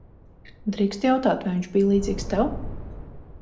Drīkstu jautāt, vai viņš bija līdzīgs tev?